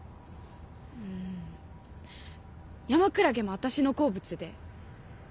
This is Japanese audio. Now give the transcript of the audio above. うん山クラゲも私の好物で。